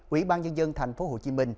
ủy ban nhân dân tp hcm